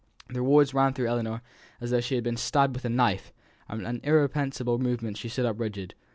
The words ran through Ellinor as though she had been stabbed with a knife, and by an irrepressible movement she stood up rigid.